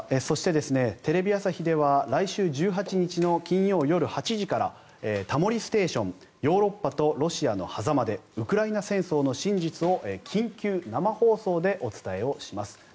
そして、テレビ朝日では来週１８日の金曜夜８時から「タモリステーション欧州とロシアの狭間でウクライナ戦争の真実」を緊急生放送でお伝えします。